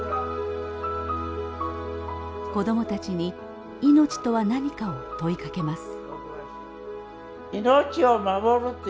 子どもたちに命とは何かを問いかけます。